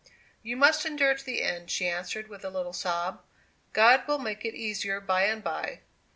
] "You must endure to the end," she answered, with a little sob. "God will make it easier by and by.